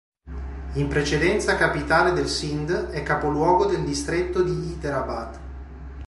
In precedenza capitale del Sindh, è capoluogo del distretto di Hyderabad.